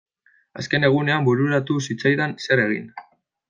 Azken egunean bururatu zitzaidan zer egin.